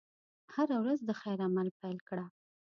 هره ورځ د خیر عمل پيل کړه.